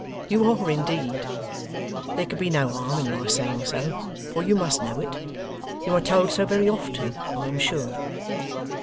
You are indeed. There can be no harm in my saying so, for you must know it. You are told so very often, I am sure.